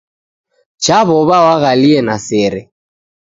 Chaw'ow'a waghalie na sere